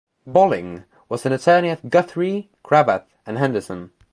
Bolling was an attorney at Guthrie, Cravath, and Henderson.